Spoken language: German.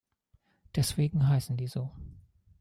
Deswegen heißen die so.